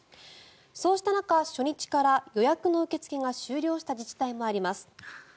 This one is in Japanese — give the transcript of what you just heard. そうした中、初日から予約の受け付けが終了した自治体もあります。